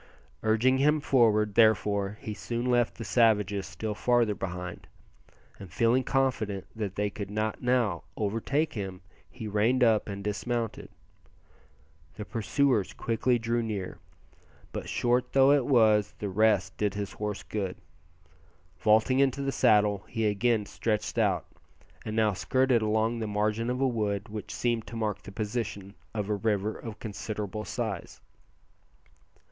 Urging him forward, therefore, he soon left the savages still farther behind, and feeling confident that they could not now overtake him he reined up and dismounted. The pursuers quickly drew near, but short though it was the rest did his horse good. Vaulting into the saddle, he again stretched out, and now skirted along the margin of a wood which seemed to mark the position of a river of considerable size.